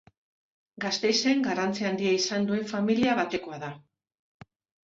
Gasteizen garrantzi handia izan duen familia batekoa da.